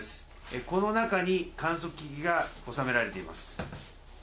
この中に観測機器が納められています。